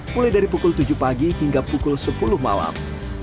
mulai dari pukul tujuh pagi hingga pukul sepuluh malam